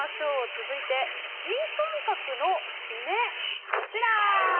続いて新感覚の〆、こちら。